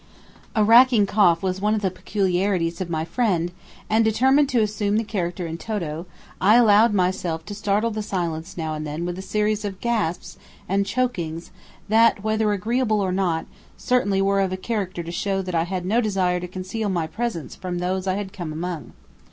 A racking cough was one of the peculiarities of my friend, and determined to assume the character in toto, I allowed myself to startle the silence now and then with a series of gasps and chokings that whether agreeable or not, certainly were of a character to show that I had no desire to conceal my presence from those I had come among.